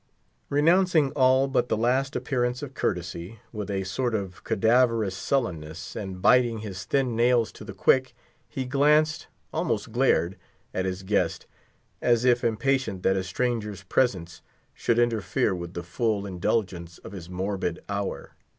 Renouncing all but the last appearance of courtesy, with a sort of cadaverous sullenness, and biting his thin nails to the quick, he glanced, almost glared, at his guest, as if impatient that a stranger's presence should interfere with the full indulgence of his morbid hour.